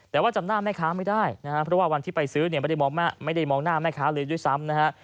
แต่ว่าจำหน้าแม่ค้าไม่ได้นะฮะเพราะว่าวันที่ไปซื้อเนี่ยไม่ได้มองหน้าแม่ค้าเลยด้วยซ้ำนะฮะ